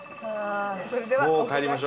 それではお伺いします。